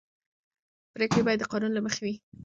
پرېکړې باید د قانون له مخې وي